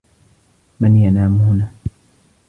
من ينام هنا؟